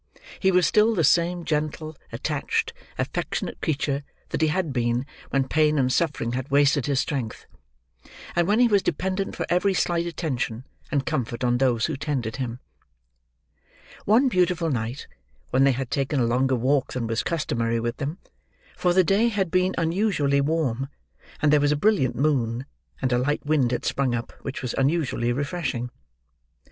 He was still the same gentle, attached, affectionate creature that he had been when pain and suffering had wasted his strength, and when he was dependent for every slight attention, and comfort on those who tended him. One beautiful night, when they had taken a longer walk than was customary with them: for the day had been unusually warm, and there was a brilliant moon, and a light wind had sprung up, which was unusually refreshing.